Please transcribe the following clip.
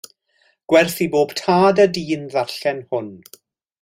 Gwerth i bob tad a dyn ddarllen hwn.